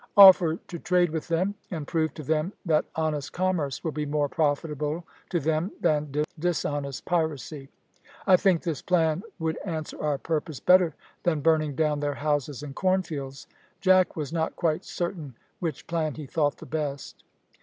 Offer to trade with them, and prove to them that honest commerce will be more profitable to them than dishonest piracy. I think this plan would answer our purpose better than burning down their houses and cornfields." Jack was not quite certain which plan he thought the best.